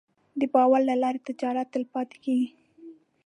د باور له لارې تجارت تلپاتې کېږي.